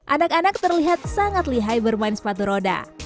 anak anak terlihat sangat lihai bermain sepatu roda